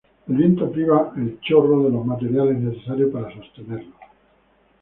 El viento priva el chorro de los materiales necesarios para sostenerlo.